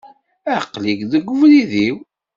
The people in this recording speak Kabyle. Aqli-k deg ubrid-iw.